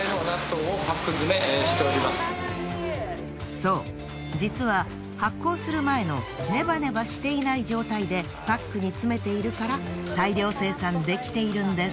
そう実は発酵する前のネバネバしていない状態でパックに詰めているから大量生産できているんです。